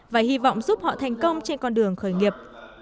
và hy vọng giúp họ thành công trên con đường khởi nghiệp